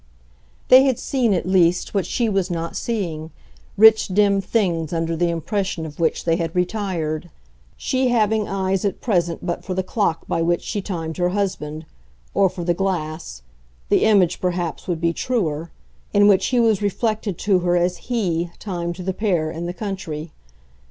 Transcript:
They had seen at least what she was not seeing, rich dim things under the impression of which they had retired; she having eyes at present but for the clock by which she timed her husband, or for the glass the image perhaps would be truer in which he was reflected to her as HE timed the pair in the country.